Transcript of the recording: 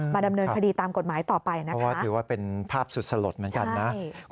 ดำเนินคดีตามกฎหมายต่อไปนะคะเพราะว่าถือว่าเป็นภาพสุดสลดเหมือนกันนะ